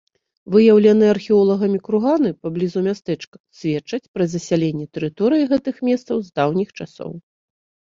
Выяўленыя археолагамі курганы паблізу мястэчка сведчаць пра засяленне тэрыторыі гэтых месцаў з даўніх часоў.